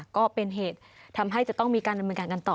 ก็เป็นเหตุทำให้จะต้องมีการดำเนินการกันต่อ